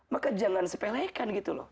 maka jangan sepelekan gitu loh